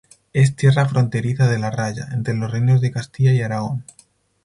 Es tierra fronteriza de la raya, entre los reinos de Castilla y Aragón.